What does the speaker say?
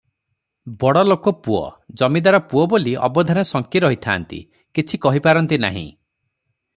ବଡ଼ଲୋକ ପୁଅ, ଜମିଦାର ପୁଅ ବୋଲି ଅବଧାନେ ଶଙ୍କି ରହିଥାନ୍ତି, କିଛି କହି ପାରନ୍ତି ନାହିଁ ।